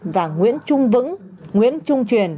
và nguyễn trung vững nguyễn trung truyền